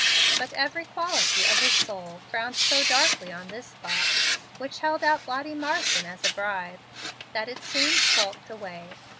But every quality of his soul frowned so darkly on this thought, which held out Lottie Marsden as a bribe, that it soon skulked away.